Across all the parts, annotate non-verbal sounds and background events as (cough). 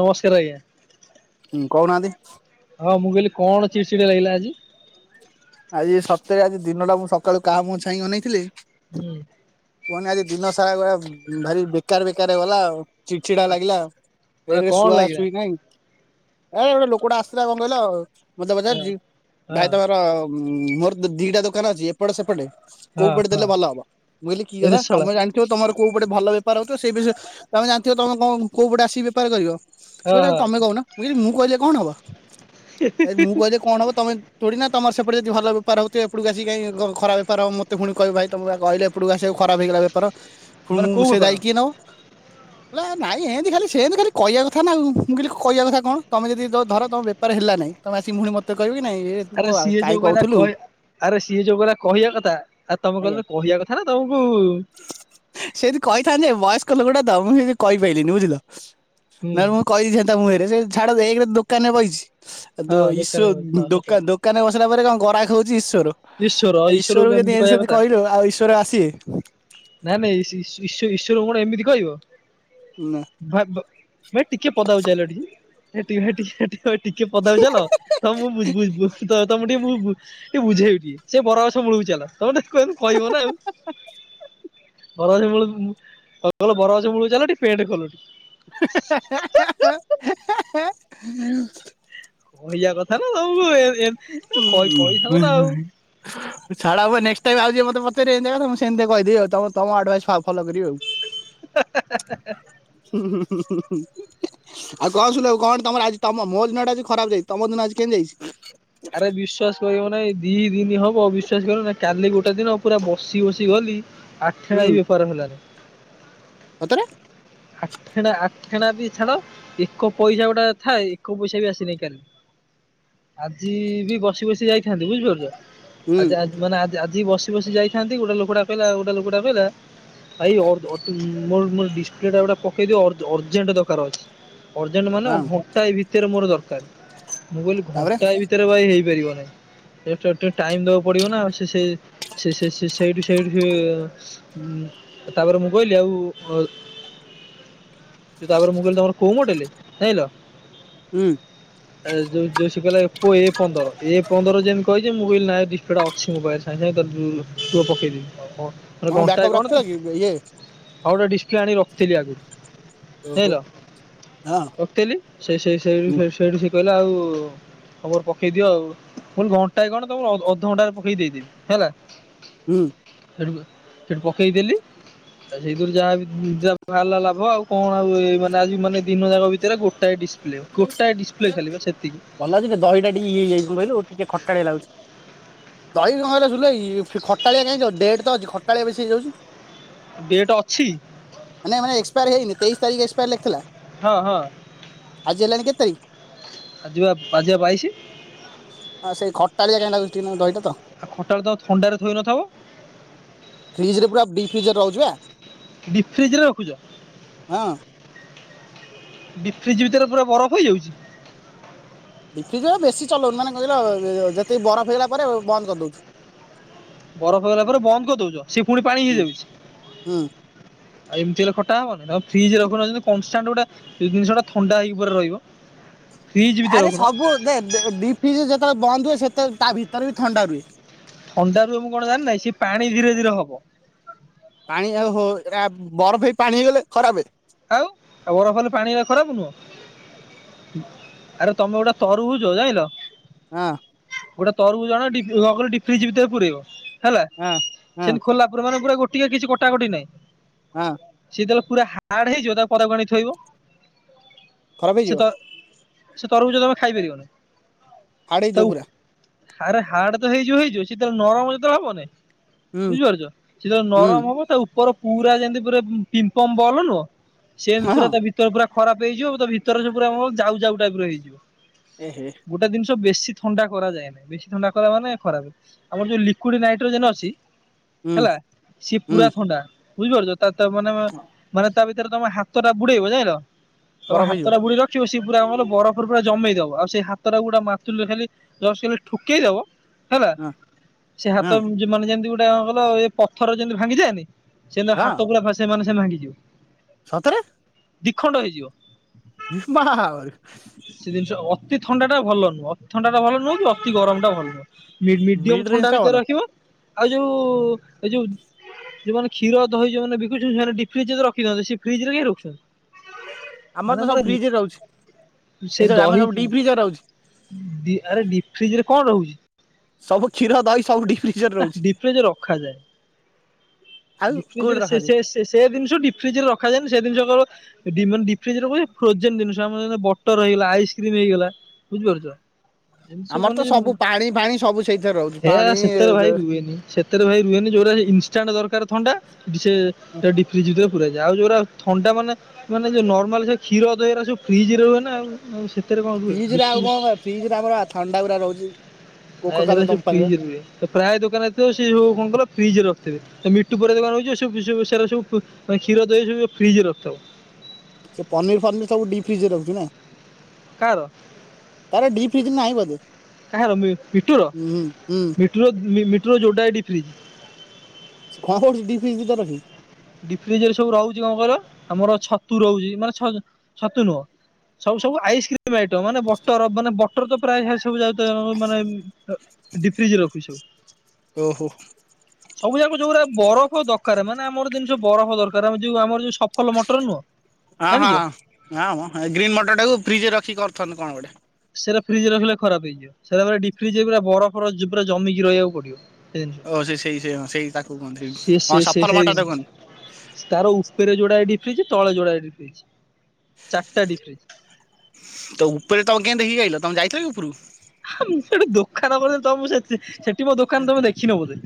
ନମସ୍କାର ଆଜ୍ଞା। ହୁଁ କହୁନାହାନ୍ତି ହଁ ମୁଁ କହିଲି କଣ ଚିଡ ସିଡିଆ ଲାଗିଲା ଆଜି? ଆଜି ସତରେ ଆଜି ଦିନଟା ମୁଁ ସକାଳୁ କାଆ ମୁହଁ ଛାଇଁ ଅନେଇଥିଲି ହୁଁ। କୁହନି ଆଜି ଦିନ ସାରା ଗୋଟେ ଉଁ, ଭାରି ବେକାର ବେକାର ଗଲା ଆଉ। ଚିଡ ଚିଡା ଲାଗିଲା ମାନେ ଏକରେ କଣ ଶୁଆ ଲାଗିଲା ଶୁଇ ନାଇ। ଏ ଗୋଟେ ଲୋକଟା ଆସିଥିଲା କଣ କହିଲ ମୋତେ ହଁ ପଚାରୁଚି ଭାଇ ହଁ ତୋମର ଉଁ, ମୋର ତ ଦିଟା ଦୋକାନ ଅଛି ଏ ଏପଟ ସେପଟେ କୋଉ ହଁ ପଟେ ଦେଲେ ଭଲ ହବ? ମୁଁ କହିଲି କି କଥା ଏରେ ଶଳା ତୋମେ ଜାଣି ଥିବ ତୋମର କୋଉପଟେ ଭଲ ବେପାର ହଉଥିବ ସେଇ ବିଷୟ, ତୋମେ ଜାଣିଥିବ ତୋମ ତୋମ କୋଉପଟେ ଆସିକି ବେପାର କରିବ? ସେ ହଁ କହୁଚି ଆ, ହଁ ତୋମେ କହୁନ, ମୁଁ ଯଦିଷମୁଁ କହିଲେ କଣ ହବ? ଏ ମୁଁ କହିଲେ କଣ ହବ ତୋମେ ଥୋଡିନା ତୋମର ସେପଟେ ଯଦି ଭଲ ବେପାର ହଉଥିବ, ଏପଟକୁ ଆସିି କାହିଁ ଖରା ବପାର ହବ, ମୋତେ ଫୁଣି କହିବ ଭାଇ ତୋମେ ପରା କହିଲେ ଏପଟକୁ ଆସିବାକୁ ଖରାପ ହେଇଗଲା ବେପାର ଫୁଣ ମୁଁ ସେ ଦାଇ କିଏ ନବ? ହଁ। ଲା ନାଇଁ ଏମିତି ଖାଲି ସେମିତି ଖାଲି କଇଆ କଥା ନା ଆଉ, ମୁଁ କହିଲି କଇଆ କଥା କଣ, ତୋମେ ଯଦି ତ ଧର ତୋମ ବେ ପାର ହେଲା ନାଇଁ, ତୋମେ ଆସିି ମୁଣହି ମୋତେ କଇବ କି ନାଇଁ ଏ ତୁ ଆରେ ପୁଅ ଆ- ସିଏ କାଇଁ ଯୋଉ କହିଲା କହୁଥୁଲୁ। କହେ, ଆରେ ସିଏ ଯୋଉ କହିଲା କହିବା କଥା ଆଉ ତୋମେ କହିଲ କହିବା କଥା ନା ତୋମକୁ ସେଇଠି କହିଥାନ୍ତି ଯେ ବୟସ୍କ ଲୋକଟା ତ ମୁଁ ସେ କହିପାଇଲିନି ବୁଝିଲ, ହୁଁ ନଲେ ମୁଁ କହିଦେଇଥାନ୍ତି ତା ମୁହଁରେ, ସେଇ ଛାଡ ଏକରେ ଦୋକାନରେ ବଇଛି, ଏ ହଁ ଦୋ- ଦୋକାନ ଇଶୁ ହଁ ଧୁଁ, ସତ ଦୋକାନା କଥା ଦୋ କାନେ ବସିଲା ପରେ କଣ ଗରାଖ ହଉଛି ଈଶ୍ୱର, ଈଶ୍ୱର ଏ ଈଶ୍ୱରକୁ ଯଦି ଏମିତି ଏମିତିି କହିବା ସେମିତି କଥା କହିଚ ଆଉ ଈଶ୍ୱର ଆସିବେ। ନା ନା ଈଶ୍ ଈଶୁ ଈଶୁ ଈଶ୍ୱରଙ୍କୁ କଣ ଏମିତି କହିବ? ନା। ଭାବ ଭାଇ ଟିକେ ପଦାକୁ ଚାଲ ଏଠିକି ହେଟି ହେଟି ହେଠି ତ ଏ ଟିକେ ପଦାକୁ ଚାଲ, ତୋମ ମୁଁ ବୁଜ ବୁଜ ବୁ-ତ ତୋମ କୁ ଟିକେ ମୁଁ ବୁ ଟିକେ ବୁଝେଉଚି ସେ ବର ଗଛ ମୂଳକୁ ଚାଲ, ତୋମେ ତାକୁ ଏମତି କହିବ ନା ଆଉ। ବର ଗଛ ମୂଳକୁ ମୁଁ, (inaudible) ବରଗଛ ମୂଳକୁ ଚାଲ ଟିକେ ପେଣ୍ଟ ଖୋଲନ୍ତୁ। କହିବା କଥା ନା ଆଉ ବେ ଏ ଏନ୍ ଏ କଇ କଇଥାନ୍ତ ନା ଆଉ। (unintelligible) ଛାଡ ହବ ନେକ୍ସଟ୍ ଟାଇମ୍ ଆଉ ଯିଏ ମୋତେ ପଚାରିବ ଏମତିଆ କଥା, ମୁଁ ସେମତି କହିଦେବି ଆଉ, ତୋମ ତୋମ ଆଡଭାଇସ୍ ଫ- ଫଲୋ କରିବି ଆଉ। ହୁଁ, ହୁଁ, ହୁଁ, ହୁଁ, ହୁଁ। ଆଉ କଣ (unintelligible) କଣ ତୋମର ଆଜି ତୋମ, ମୋ ଦିନ ଟା ଆଜି ଖରାପ ଯାଇ, ତୋମ ଦିନ ଆଜି କେମତି ଯାଇଛି? ଆରେ ବିଶ୍ଵାସ କରିବ ନାଇ ଏ ଦି ଦିନି ହବ ବିଶ୍ଵାସ କରନା କାଲି ଗୋଟେ ଦିନ ପୁରା ବସି ବସି ଗଲି ଆଠେଣା ହୁଁ ବି ବେପାର ହେଲାନି। ସତରେ? ଆଠେଣା ଆଠେଣା ବି ଛାଡ ଏକ ପଇସା ଗୋଟା ଥାଏ, ଏକ ପଇସା ବି ଆସିନି କାଲି। ଆଜି ବି ବସି ବସି ଯାଇଥାନ୍ତି ବୁଝିପାରୁଚ, ହୁଁ ଆଜ ଆଜି ମାନେ ଆ ଆଜି ବସି ବସି ଯାଇଥାନ୍ତି ଗୋଟେ ଲୋକଟା କହିଲା ଗୋଟେ ଲୋକଟା କହିଲା। ଭାଇ ଓଁ ମୋର (unintelligible) ଟଙ୍କା ଟା ପକେଇଦିଅ ଅରଜେଣ୍ଟ ଦରକାର ଅଛି ଅର୍ଜେଣ୍ଟ ମାନେ ହଁ ଘଣ୍ଟାଏ ଭିତରେ ମୋର ଦରକାର। ମୁଁ କହିଲି, ତାପରେ ଘଣ୍ଟାଏ ଭିତରେ ଭାଇ ହେଇପାରିବ ନାହିଁ‌। ଟିକେ ଟାଇମ ଦବା ପଡିବ ନା ସେ ସେଇଠୁ ସେଇଠୁ ସେ ହଁ, ତାପରେ ମୁଁ କହିଲି ଆଉ ତାପ ମୁଁହିଲି ତମର କୋଉ ମୋଡେଲ ଜାଣିଲ ହୁଁ। ହ ଏଉ ଯଉ କହିଲା ଏ ପନ୍ଦର ଏ ପନ୍ଦର ଯେମିତି କହିଛି, ମୁ ନାହିଁ ଡିସପ୍ଟା ଅଛି ମୋବାଇଲରେ। ନାଇଁ ପୁ ପକେଇଦବି କ ମ ତମ ଘଣ୍ଟାଏ ବ୍ୟାକଅପ୍ କଣ ରଖିଥିଲ ତ? କି ଇଏ ହଉ ଗୋଟେ ଡିସ୍ ପ୍ଲେ ଆଣି ରଖିଥିଲି ଆଗରୁ ଓହୋ ଜାଣିଲ ହଁ ପକେଇଲି। ସେଇ ସେଇ ସେଇଠୁ ହୁଁ ସେ ସେଇଠୁ ସେ କହିଲା ଆଉ, ତମର ପକେଇ ଦିଅ ଆଉ ଭ ଘଣ୍ଟା ହେ କଣ ତମ ଅଧଘଣ୍ଟା ପକେଇ ଦେଇଦବି ହେଲା? ହୁଁ। ସେଠୁ ସେଠୁ ପକେଇଦେଲି ଆଉ ସେଇଥିରୁ ଯାହା ନିଜର ଲାଭ ଆଉ କଣ ଆଉ? ଏ ମାନେ ଆଜି ମାନେ ଦିନ ଯାକ ଭିତରେ ଗୋଟେ। ଗୋଟା ଡିସପ୍ଲେ ଗୋଟାଏ ଡିସପ୍ଲେ ଖାଲି ସେତିକି। ଭଲ ଲାଗୁଛି ଯେ, ଦହିଟା ଟିକେ ଇଯାଇଛି କହିଲୁ ଟିକେ ଖଟାଆ ଲାଗୁଛି। ଦହି କହିଲା ସୁୁଲଇ ଇ ଫି ଖଟାଳିଆ କାହିଁଯିବ ଡେଟ୍ ତ ଅଛି ଖଟାଳିଆ ବେଶୀ ହେଇଯାଉଛି। ଡେଟ୍ ଅଛି? ମାନେ ମାନେ ଏକ୍ପାୟାର ହେଇନି ତେଇଶିତାରିଖ ଏକ୍ପାୟାର୍ ଲେଖିଥିଲା। ହଁ ହଁ। ଆଜି ହେଲାଣି କେତେ ତାରିଖ? ଆଜିିବା ଆଜିିବା ବାଇଶି। ଆଁ ସେଇ ଖଟାଳିଆ କାଇଁ ଲାଗୁଛି ଟିକେନାକୁ ଦହିଟା ତ। ଆଉ ଖଟା ଟାତ ଥଣ୍ଡାରେ ଥୋଇ ନ ଥବ? ଫ୍ରିଜ୍ ରେ ପୁରା ଡି ଫ୍ରିଜ୍ ରେ ରହୁଛି ପା। ଡି ଫ୍ରିଜ ରେ ରଖୁଛ? ହଁ। ଡି ଫ୍ରିଜ୍ ଭିତରେ ପୁରା ବରଫ ହେଇଯାଉଛି? ଡି ଫ୍ରିଜ ଏ ବେଶୀ ଚଲଉନୁ ମାନେ କ କହିିଲ, ଯେତିକି ବରଫ ହେଇଗଲା ପରେ ବନ୍ଦ କରିଦଉଛୁ। ବରଫ ହେଇଗଲା ପରେ ବନ୍ଦ କରିଦଉଛ। ସେ ପୁଣି ପାଣି ହୁଁ ହେଇଯାଉଛି? ହୁଁ ଆଉ ଏମତି ହେଲେ ଖଟା ହବନି ଆ ଫ୍ରିଜରେ ରଖୁନ ଯେମିତି କନଷ୍ଟାଣ୍ଡ ଗୋଟେ। ସେଇ ଜିନିଷଟ ଟା ଥଣ୍ଡା ହେଇକି ପୁରା ରହିବ। ଫ୍ରିଜ ଭିତରେ ଆରେ ରଖୁନ ସବୁ ଦେ ଦେ ଡିଫ୍ରିଜ ଯେତେବେଳେ ବନ୍ଦ ହୁଏ ସେତେ ତା ଭିତରେ ବି ଥଣ୍ଡା ରୁହେ। ଅଣ୍ଡା ରୁହେ ମୁଁ କଣ ଜାଣି, ନାହିଁ ସେ ପାଣି ଧୀରେ ଧୀରେ ହବ। ପାଣି ଓହୋ ଏ ଆପ ବରଫ ହେଇ ପାଣି ହେଇଗଲେ ଖରାପେ? ଆଉ ଆଉ ବରଫ ହେଲେ ପାଣିରା ଖରାପ୍ ନୁହଁ। ଆରେ ତମେ ଗୋଟେ ତରୁଭୁଜ ଜାଇଁଲ ହଁ। ଗୋଟେ ତରଭୁଜ ଆଣ ଡି ଡିଫ୍ରିଜ ଭିତରେ ପୁରେଇବ। ହେଲା ହଁ ହଁ ସେମିତି ଖୋଲା ପ ମାନେ ପୁରା ଗୋଟିଏ କିଛି କଟାକଟି ନାଇଁ। ହଁ। ସିଏ ତାହେଲେ ପୁରା ହାଡ ହେଇଯିବ ତାକୁ ପଦାକୁ ଆଣିକି ଥୋଇବ ଖରାପ ସେ ହେଇଯିବ ତ ସେ ତରଭୁଜ ତମେ ଖାଇପାରିବନି ହାର୍ଡ ହେଇଯିବ ତା। ପୁରା ଆରେ ହାଡ ତ ହେଇଯିବ ଯିବ ହେଇଛୁ ସେତେବେଳେ ନରମ ହବନି। ହୁଁ ବୁଝିପାରୁଛ, ସେ ହୁଁ ନରମ ହବ ତା ଉପର ପୁରା ଯେମିତି ପମ ପମ୍ପ ବଲ ନୁହଁ। ସେଏ ହଁ ପୁରା ତା ଭିତରେ ପୁରା ଖରାପ ହେଇଯିବ ତା ଭିତରେ ଯୋଉ ପୁରା ଯାଉ ଯାଉ ଟାଇପ ର ହେଇଯିବ। ଏହେ। ଗୋଟେ ଜିନଷ ବେଶୀ ଥଣ୍ଡା କରାଯାଏ ନାଇ, ବେଶୀ ଥଣ୍ଡା କଲା ମାନେ ଖରାପ। ଆମର ଯୋଉ ଲିକୁଇଡ୍ ନାଇଟ୍ରୋଜନ ଅଛି। ହୁଁ ହେଲା, ସିଏ ହୁଁ ପୁରା ଥଣ୍ଡା ବୁଝିପାରୁଛ ତା ତା ମାନେ ମାନେ ତା ଭିତରେ ତମେ ହାତଟା ବୁଡେଇବ ଜାଣିଲ, ତମେ ବରଫ ହେଇଯିବ ହାତଟା ବୁଡିବ ରଖିବ ସିଏ ପୁରା କଣ କହିଲ ବରଫରେ ପୁରା ଜମେଇ ଦବ, ଆଉ ସେଇ ହାତଟା ଗୁଟା ମାର୍ତୁଲ ରେ ଖାଲି ଜଷ୍ଟ୍ ଖାଲି ଠୁକେଇ ଦବ। ହେଲା, ହଁ ସେ ହଁ ହାତ ଜେ ମାନେ ଯେମିତି ଗୋଟେ କଣ କହିଲ ଏ ପଥର ଯେମିତି ଭାଙ୍ଗିଯାଏନି। ସେ ହଁ ହାତ ପୁରା ପଶିବ ସେ ମାନେ ସେ ଭାଙ୍ଗି ଯିବ। ସତରେ? ଦି ଖଣ୍ଡ ହେଇଯିବ। (unintelligible) ସେ ଜିନିଷ ଅତି ଥଣ୍ଡା ଟା ଭଲ ନୁହଁ, ଅତି ଥଣ୍ଡା ଟା ଭଲ ନୁହଁ କି ଅତି ଗରମ ଟା ଭଲ ନୁହଁ। ମିଡ୍ ମି-ମି-ମିଡିୟମ ରେଞ୍ଜ ଥଣ୍ଡା ଟା ଭଲ ଭିତରେ ରଖିବ। ଆଉ ଯୋଉ ଏ ଯୋଉ ଯୋଉମାନେ କ୍ଷୀର ଦହି ଯୋଉମାନେ ବିକୁଛନ୍ତି ସେମାନେ ଡିଫ୍ରିଜର ରଖୁ କି (unintelligible) ସେ ଫ୍ରିଜରେ କାଇଁ ରଖୁଛନ୍ତି? ଆମର ମାନେ ତ ସବୁ ଫ୍ରିଜରେ ରହୁଛି ମୋର ଏ ସେ ସରି ଆମର ଦହି ସବୁ ଡିପ୍ ଫ୍ରିଜରେ ରହୁଛି। ଡି ଆରେ ଡିଫ୍ରିଜରେ କଣ ରହୁଛି? ସବୁ କ୍ଷୀର ଦହି ସବୁ ଡିଫ୍ରିଜର ଆ ରହୁଛି ଡିଫ୍ରିଜରେ ରଖା ଯାଏ। ଆଉ କୋଉଠି ଡିଫ୍ରିଜରେ ରଖାଯାଏ। ସେ-ସେ-ସେ-ସେ ଜିନିଷ ଡିଫ୍ରିଜରେ ରଖାଯାଏନି ସେ ଜିନିଷ କେବଳ ଡ଼ି ମାନେ ଡିଫ୍ରିଜ ହୁଏ ଫୋଜେନ୍ ଜିନିଷ ଆମର ବଟର ହେଇଗଲା ଆଇସ୍କ୍ରିମ ହେଇଗଲା, ବୁଝିପାରୁଛ? ଜିନିଷ ସବୁ ଆମର ମାନେ, ତ ପାଣି ଫାଣି ସବୁ ସେଇଥିରେ ରହୁଛି ପାଣି ସେତେରେ ଭାଇ ରୁହେନି ସେ ସେଥିରେ, ଭାଇ ରୁହେନି ଯଉଟା ଇନଷ୍ଟାଣ୍ଟ ଦରକାର। ଥଣ୍ଡା ସେ ଡିଫ୍ରିଜ ଭିତରେ ପୁରାଜାଏ, ଆଉ ଯଉରା ଥଣ୍ଡା ମାନେ ମାନେ ଯୋଉ ନର୍ମାଲ ଯୋଉ କ୍ଷୀର, ଦହୀ ଗୁରା ଫ୍ରିଜରେ ରୁହେ ନା। ଭିତରେ କଣ ରୁହେ ଫ୍ରିଜ ରେ ଆଉ ଡିଫ୍ରିଜ୍, କଣ ଫ୍ରିଜ ରେ ଆମର ଥଣ୍ଡା ଗୁରା ରହୁଛି କୋକା ନାଇ ସେରା କୋଲା ସବୁ କମ୍ପାନୀର ଫ୍ରିଜରେ ରୁହେ। ପ୍ରାୟ ଦୋକାନ ଯେତେ ଥିବ ସେ ସବୁ କଣ କହିଲ ଫ୍ରିଜରେ ରଖିଥିବେ, ମି (unintelligible) ଦୋକାନ କୁ ଯିବ ସେରା ସବୁ କ୍ଷୀର ଦେଇ ସବୁ ଫ୍ରିଜ ରେ ରଖିଥିବ। ସେ ପନିର ଫନିର ସବୁ ଡିପ ଫ୍ରିଜ ରେ ରହୁଛି ନା? କାହାର? ତାର ଡିପ ଫ୍ରିଜ୍ ନାହିଁ ବୋଧେ? କାହାର ମି-ମିଟୁର, ହୁଁ ହୁଁ ମିଟୁର ମି-ମି-ମିଟୁର ଯୋଡାଏ ଡିପଫ୍ରିଜ୍। ସେ କଣ କରୁଛି ଡିଫ୍ରିଜ ଭିତରେ ରଖିକି? ଡିଫ୍ରିଜରେ ସବୁ ରହୁଛି କଣ କହିଲ, ଆମର ଛତୁ ରହୁଛି ମାନେ ଛ-ଛତୁ ନୁହଁ। ସବୁ ସବୁ ଆଇସ୍କ୍ରିମ ଆଇଟମ, ମାନେ ବଟର ମାନେ ବଟର ତ ପ୍ରାୟ ସବୁ ଯାଉ ମାନେ ଅ ଡିଫ୍ରିଜରେ ରଖୁଛୁ ସବୁ। ଓହୋ। ସବୁ ଯାକ ଯୋଉ ଗୁରା ବରଫ ଦରକାର, ମାନେ ଆମର ଜେମି ଯୋଉ ବରଫ ଦରକାରେ, ଆମର ଯୋଉ ଆମର ଯୋଉ ସଫଲ ମଟର ନୁହଁ। ହଁ ହଁ ଜାଣିଛ ହଁ ମ ଗ୍ରୀନ୍ ମଟର ଟାକୁ ଫ୍ରିଜରେ ରଖି କରୁଛନ୍ତି କଣ ଗୋଟେ। ସେଇରା ଫ୍ରିଜରେ ରଖିଲେ ଖରାପ ହେଇଯିବ, ସେରା ଡିଫ୍ରିଜରେ ପୁରା ବରଫର ପୁରା ଜମିକି ରହିବାକୁ ପଡିବ। ସେ ଜିନିଷ ଓ ସେ-ସେଇ ସେଇ ସେଇ ତାକୁ କୁହନ୍ତି ସେ ସେ ହଁ ସେ ସଫଲ ସେଇ ମଟର ଜିନିଷ ତାକୁ କୁହନ୍ତି। ତାର ଉପରେ ଯୋଡାଏ ଡିଫ୍ରଜ, ତଳେ ଯୋଡା ଡିଫ୍ରିଜ ଚାରିଟା ଡିଫ୍ରିଜ। ତ ଉପରେ ତଜ୍ଞ ଦେଖିକୀ ଆଇଲ ତମେ ଯାଇଥିଲ କି ଉପରକୁ? ସେଠି ଦୋକାନ କଣ ତ ମୁ ସେତି ସେଠି ମୋ ଦୋକାନ ତମେ ଦେଖିନ ବୋଧେ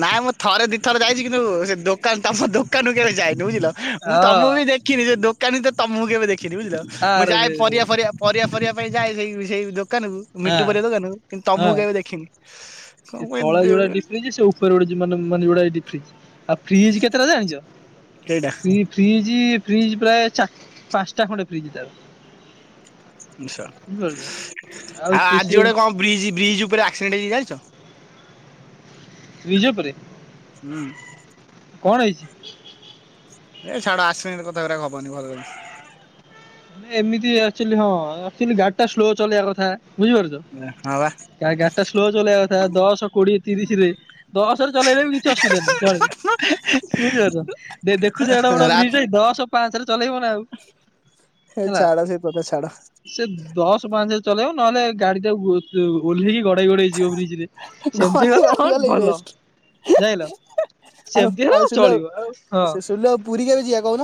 ନାଇଁ ମୁଁ ଥରେ ଦିଥରେ ଯାଇଚି କିନ୍ତୁ ସେ ଦୋକାନ ତମ ଦୋକାନକୁ କେବେ ଯାଇନି ବୁଝିଲ ମୁଁ ହଁ ତମକୁ ବି ଦେ କି ନିଜ ଦୋକାନୀ ତ ତମକୁ କେବେ ଦେଖିନି ବୁଝିଲ ମୁଁ ଯାଏ ଆରେରେ ପରିବା ଫରିବା ପରିବା ଫରିବା ପାଇଁ ଯାଏ ସେଇ ସେଇ ଦୋକାନକୁ ହଁ ମିଟୁ ପରିବା ଦୋକାନକୁ କିନ୍ତୁ ତମକୁ ହଁ କେବେ ଦେଖିନି। କଣ ସେ ପାଇଁ ତଳେ ଯୋଉରା ଡିସଗ୍ରୀନ କିଏ ସେ ଉପରେ ଗୋଟେ ଯିବାନମ ମାନେ ଯଉଟା ଏଇଟି ଫ୍ରି ଆଉ ଫ୍ରିଜ୍ କେତେଟା ଜାଣିଚ ସେଇଟା ପି ଫ୍ରିଜି ଫ୍ରିଜି ପ୍ରାୟ ଚାର ପାଞ୍ଚଟା ଖଣ୍ଡେ ଫ୍ରିଜି ତାର। ନିଶା ବୁଝିପାରୁଛ ଆଉ ଆଉ ଆଜି ସିଏ ଗୋଟେ କଣ ବ୍ରିଜ ବ୍ରିଜ ଉପରେ ଆକ୍ସିଡେଣ୍ଟ ହେଇଚି ଜାଣିଚ ବ୍ରିଜ୍ ଉପରେ ହୁଁ। କଣ ହେଇଚି? ଏ ଛାଡ ଆକ୍ସିଡେଣ୍ଟ କଥାରା ଗପନି ଭଲ (unintelligible) ହେ ଏମିତି ଅକ୍ଚୋଲି ହଁ ଅକ୍ଚୋଲି ଗାଡି ଟା ସ୍ଲୋ ଚଲେଇବା କଥା ବୁଝିପାରୁଚ। ଏ ହଁ। ଗା ଗାଡି ଟା ସ୍ଲୋ ଚଲେଇବା କଥା ଦଶ କୋଡିଏ ତିରିସି ରେ। ଦଶରେ ଚଲେଇଲେ ବି କିଛି ଅସୁବିଧା ନାହିଁ ଚଳିବ। ଶୁଣିପାରୁଚ ଦେ ଦେଖୁଚ ଏଡେ ବଡ ରା ବ୍ରିଜ ଦଶ ପାଞ୍ଚ ରେ ଚଲେଇବ ନା ଆଉ। ହେ ହେଲା। ଛାଡ ସେ କଥା ଛାଡ। ସେ ଦଶ ପାଞ୍ଚେ ଚଲେଇବ ନହେଲେ ଗାଡି ଟାକୁ। ଜଉ ଓହ୍ଲେଇକି ଗଡେଇ ଗଡେଇ ଯିବ ବ୍ରିଜ୍ ରେ ସେମିତି ଗଣି ଗଲେ ଗଣି ହଁ ଭଲ। ବେଷ୍ଟ। ଜାଇଲ ଆଉ ସେମତି ଆଉ ହେଲା ସୁଲଭ ଚଳିବ ଆଉ ହଁ। ସୁଲଭ ପୁରୀ କେବେ ଯିବା କହୁନ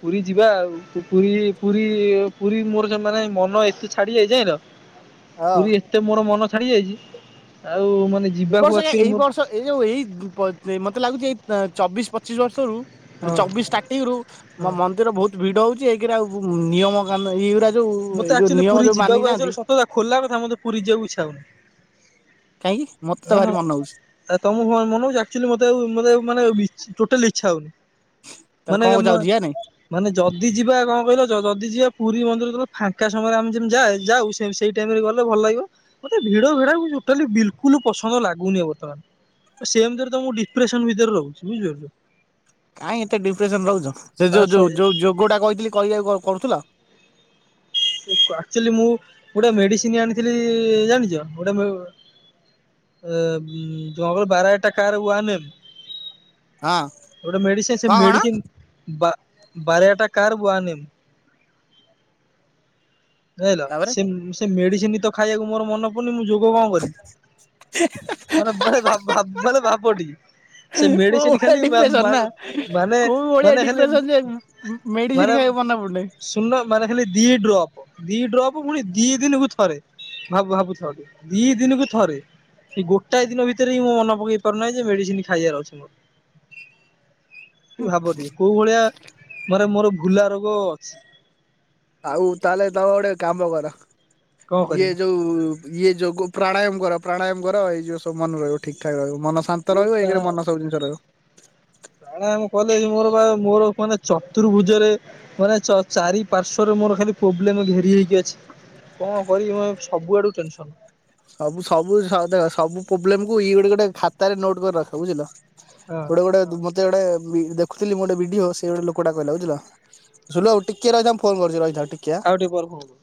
ପୁରୀ ଯିବା ଆଉ ପୁ ପୁରୀ ପୁରୀ ପୁରୀ ମୋର ଜବ ମାନେ ମନ ଏତେ ଛାଡି ଯାଇଚି ଯାଇଲ ହଁ। ପୁରୀ ଏତେ ମୋର ମନ ଛାଡି ଯାଇଚି ଆଉ ମାନେ ଏ ଯିବାକୁ ବର୍ଷ ଏ ଆକ୍ଚୁଆଲି ଏଇ ମୋର ବର୍ଷ ଏଇ ଯୋଉ ଏଇ ବ ବ ମତେ ଲାଗୁଚି ଏଇ ବ ଚବିଶ ପଚିଶ ବର୍ଷବଳୁ ହଁ ମାନେ ଚବିଶ ଷ୍ଟାର୍ଟିଂ ରୁ ହଁ। ମ ମନ୍ଦିର ବହୁତ ଭିଡ ହଉଚି ଏକେରେ ଆଉ ନିୟମ କାନୁନ ଏଇଉରା ଯୋଉ ଏଇ ଯୋଉ ନିୟମ ଯୋଉ ମାନି ଯାଆନ୍ତି ତଆ ଖୋଲା କଥା ମତେ ପୁରୀ ଯିବାକୁୁ ଇଛା ହଉନି। କାହିଁକି ମତେ ତ ଭାରି ମନ ହଉଚି। ଆ ତମୁକୁ ମନ ଆକ୍ଚୋଲୋ ମତେ ଆଉ ମାନେ ମାନେ ଇଚ୍ ଟୋଟାଲି ଇଛା ହଉନି। ତାହେଲେ ମାନେ କଣ କହୁଛ ମ ଆଉ ଯିବା ନାଇଁ ମାନେ ଯଦି ଯିବା କଣ କହିଲ ଯଦି ଯିବା ପୁରୀ ମନ୍ଦିର ତ ଫାଙ୍କା ସମୟରେ ଆମେ ଯେମ୍ ଯା ଯାଉ ସେ ସେଇ ଟାଇମରେ ଗଲେ ଭଲ ଲାଗିବ। ମତେ ଭିଡ ଭିଡକୁ ଟୋଟଲି ବିଲୁକୁଲ ପସନ୍ଦ ଲାଗୁନି ବର୍ତ୍ତମାନ। ଏ ସେମତିରେ ତମକୁ ଡିପ୍ରେସନ ଭିତରେ ରହୁଚି ବୁଝିପାରୁଚ। କାଇଁ ଏତେ ଡିପ୍ରେସନ ରହୁଚ ସେ ଯୋଉ ଯୋଉ ଯୋଉ ଯୋଗ ଟା କହିଥିଲି କହିବାକୁ କ କରୁଥିଲ ଆକ୍ଚୋଲି ମୁଁ ଗୋଟେ ମେଡିସିନ ଆଣିଥିଲି ଜାଣିଚ ଗୋଟେ ମୁ ଏ ଉଁ ଜଳର ବାରାଇଟ ଟା କାହାର ୱାଲ? ହଁ ଗୋଟେ ମେଡିସିନ ସେ କଣ କଣ ମେଡିସିନ ବା ବାରେଆଟା କାର ବୁଆନି। ଯାଇଲ ତାପରେ ସେ ସେ ମେଡିସିନ ତ ଖାଇବାକୁ ମୋର ମନ ପଡୁନି ମୁଁ ଯୋଗ କଣ କରିବି। ମାନେ ଭାଇ ଭା ଭା ମାନେ ଭାବ ଟିକେ। ସେ କୋଉ ମେଡିସିନ ଭଳିିଆ ଖାଲି ଡିପ୍ରେସନ ନା ମାନେ କୋଉ ଭଳିିଆ ମାନେ ଖାଲି ଡିପ୍ରେସନ ଯେ ମେ ମେଡିସିନ୍ ଖାଇବାକୁ ମନେ ପଡୁନି। ସୁନ ମାନେ ଖାଲି ଦି ଡ୍ରପ୍ ଦି ଡ୍ରପ ପୁଣି ଦି ଦିନକୁ ଥରେ। ଭାବୁ ଭାବୁ ଥାଅ ଟିକେ ଦିର୍ ଦିନକୁ ଥରେ ସେ ଗୋଟାଏ ଦିନ ଭିତରେ ହିଁ ମୋ ମନ ପକେଇ ପାରୁନାହିଁ ଯେ ମେଡ଼ିସିନ ଖାଇବାର ଅଛି ମୋର। ଭାବ ଟିକେ କୋଉ ଭଳିଆ ମାରେ ମୋର ଭୁଲା ରୋଗ ଅଛି। ଆଉ ତାହେଲେ ତମ ଗୋଟେ କାମ କର କଣ ଇଏ ଯୋଉ ଇଏ ଯୋଗ ପ୍ରାଣାୟାମ କର ପ୍ରାଣାୟାମ କର ଏଇ ଯିବ ସବୁ ମନ ରହିବ ଠିକ୍ ଠାକ ରହିବ ମନ ସ ଶାନ୍ତ ରହିବ ଏକେ ରେ ମନ ସବୁ ଜିନିଷ ରହିବ। ପ୍ରାଣାୟାମ କଲେ ମୋର ବା ମୋର ମାନେ ଚତୁର୍ଭୁଜରେ ମାନେ ଚ ଚାରି ପାର୍ଶ୍ଵରେ ମୋର ଖାଲି ପୋବ୍ଲେମ୍ ଘେରି ହେଇକି ଅଛି। କଣ କରିବି ମୁ ସବୁଆଡ଼ୁ ଟେନସନ୍। ସବୁ ସବୁ ସ ଦେଖ ସବୁ ପୋବ୍ଲେମ୍ କୁ ଇଏ ଗୋଟେ ଗୋଟେ ଖାତାରେ ନୋଟ କରି ରଖ ବୁଝିଲ। ହଁ ଗୋଟେ ଗୋଟେ ମତେ ଗୋଟେ ବି ଦେଖୁଥିଲି ମୁଁ ଗୋଟେ ଭିଡ଼ିଓ ସେ ଗୋଟେ ଲୋକଟା କହିଲା ବୁଝିଲ। ଜୁଲୁ ଆଉ ଟିକେ ରହିଯା ମୁ ଫୋନ କରୁଛି ରହିଥା ଆଉ ଟିକେ। ଗରମ ହବ।